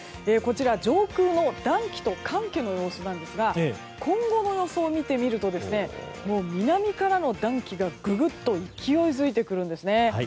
こちらは上空の暖気と寒気の様子なんですが今後の予想を見てみると南からの暖気がぐぐっと勢いづいてくるんですね。